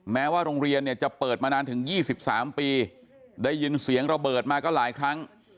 แม้ว่าโรงเรียนเนี่ยจะเปิดมานานถึง๒๓ปีได้ยินเสียงระเบิดมาก็หลายครั้ง